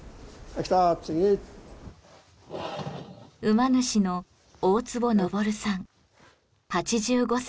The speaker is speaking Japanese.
馬主の大坪昇さん８５歳です。